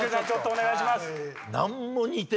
お願いします。